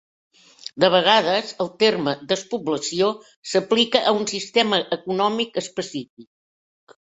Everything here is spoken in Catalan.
De vegades, el terme despoblació s'aplica a un sistema econòmic específic.